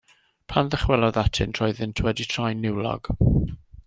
Pan ddychwelodd atynt roeddent wedi troi'n niwlog.